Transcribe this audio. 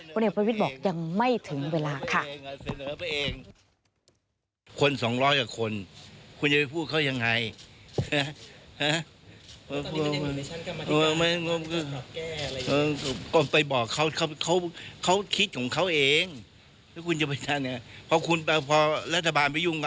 เด็กประวิทย์บอกยังไม่ถึงเวลาค่ะ